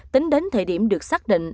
tính đến thời điểm được xác định